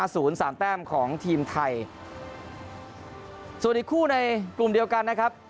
ศูนย์สามแต้มของทีมไทยส่วนอีกคู่ในกลุ่มเดียวกันนะครับ